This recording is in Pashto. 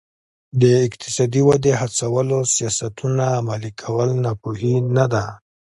د اقتصادي ودې هڅولو سیاستونه عملي کول ناپوهي نه ده.